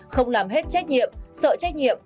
không làm hết trách nhiệm sợ trách nhiệm